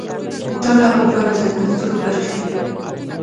دړه او بنه د کولتور برخې دي